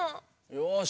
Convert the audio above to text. よし。